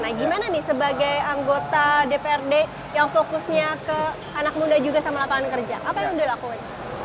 nah gimana nih sebagai anggota dprd yang fokusnya ke anak muda juga sama lapangan kerja apa yang udah lakukan